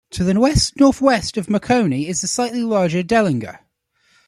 To the west-northwest of Marconi is the slightly larger Dellinger.